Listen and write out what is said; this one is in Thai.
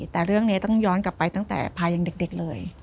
แต่เรื่องนี้ต้องย้อนกลับไปตั้งแต่พายังเด็กเลย